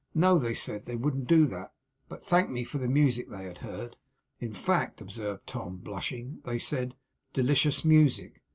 No, they said, they wouldn't do that; but they thanked me for the music they had heard. In fact,' observed Tom, blushing, 'they said, "Delicious music!"